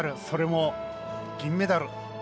それも銀メダル。